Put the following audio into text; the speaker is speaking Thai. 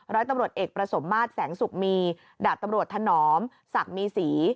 ร้อยตำรวจเอกประสมมาตรแสงสุกมีดาบตำรวจถนอมศักดิ์มีศรี